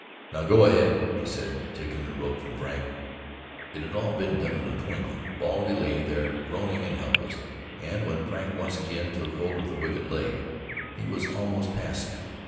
"Now, go ahead," he said, taking the rope from Frank. It had all been done in a twinkling. Baldy lay there groaning and helpless, and when Frank once again took hold of the wicked leg, he was almost passive.